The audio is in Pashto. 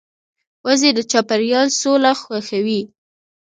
وزې د چاپېریال سوله خوښوي